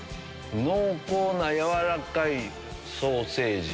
濃厚な軟らかいソーセージ。